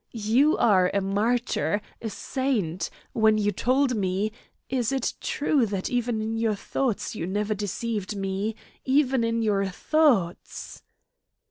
You are a martyr, a saint! When you told me is it true that even in your thoughts you never deceived me even in your thoughts!"